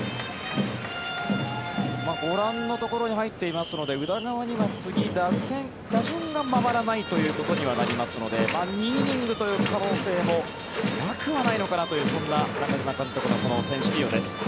ご覧のところに入っていますので宇田川には次、打順が回らないということにはなりますので２イニングという可能性もなくはないのかなというそんな中嶋監督の選手起用です。